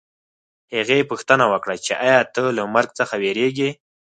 هغې پوښتنه وکړه چې ایا ته له مرګ څخه وېرېږې